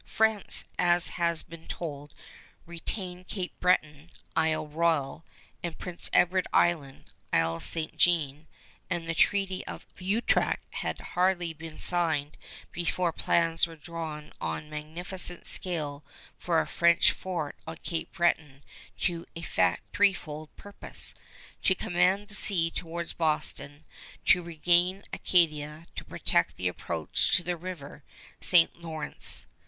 France, as has been told, retained Cape Breton (Isle Royal) and Prince Edward Island (Isle St. Jean), and the Treaty of Utrecht had hardly been signed before plans were drawn on a magnificent scale for a French fort on Cape Breton to effect a threefold purpose, to command the sea towards Boston, to regain Acadia, to protect the approach to the River St. Lawrence.